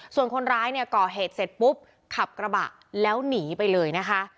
ส่วนคนร้ายเนี่ยก่อเหตุเสร็จปุ๊บขับกระบะแล้วหนีไปเลยนะคะ